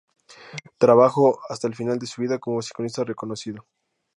Trabajó hasta el final de su vida como psicoanalista reconocido.